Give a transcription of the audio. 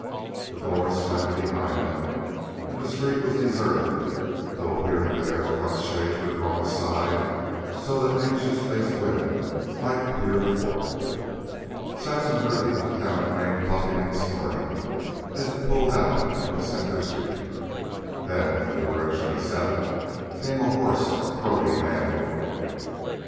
The doors slammed behind them, and the street was deserted, though here and there front shades were drawn aside so that anxious faced women might peer forth. Saxon heard the uptown train puffing and snorting as it pulled out from Center Street. Then, from the direction of Seventh, came a hoarse, throaty manroar.